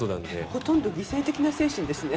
ほとんど犠牲的な精神ですね。